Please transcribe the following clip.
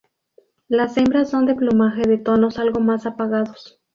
Las hembras son de plumaje de tonos algo más apagados.